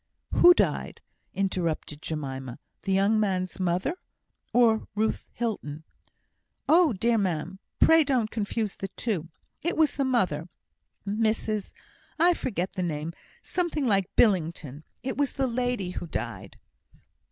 "Who died?" interrupted Jemima "the young man's mother, or or Ruth Hilton?" "Oh dear, ma'am! pray don't confuse the two. It was the mother, Mrs I forget the name something like Billington. It was the lady who died."